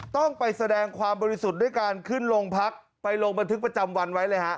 ต้องไปแสดงความบริสุทธิ์ด้วยการขึ้นโรงพักไปลงบันทึกประจำวันไว้เลยฮะ